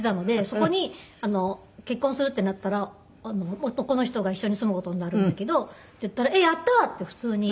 そこに結婚するってなったら男の人が一緒に住む事になるんだけどって言ったら「やったー！」って普通に。